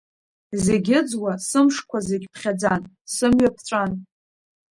Зегь ыӡуа, сымшқәа зегь ԥхьаӡан, сымҩа ԥҵәан.